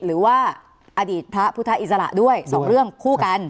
หรือว่าอดีตพระพุทธอิสระด้วยสองเรื่องคู่กัน